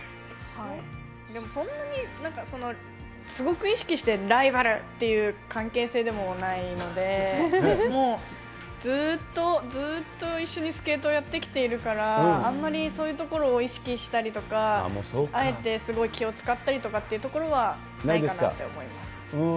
でもそんなに、すごく意識して、ライバルっていう関係性でもないので、もう、ずーっと、ずーっと一緒にスケートをやってきているから、あんまりそういうところを意識したりとか、あえてすごい気を遣ったりっていうところはないかなって思います。